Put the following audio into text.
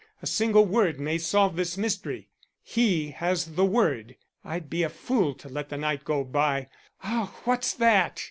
"A single word may solve this mystery. He has the word. I'd be a fool to let the night go by Ah! what's that?"